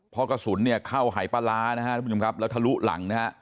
เพราะกระสุนเนี่ยเข้าหายปลาร้านะครับทุกผู้ชมครับแล้วทะลุหลังนะฮะ